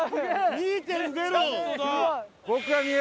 ２．０！